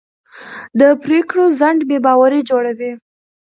د پرېکړو ځنډ بې باوري جوړوي